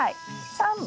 ３本。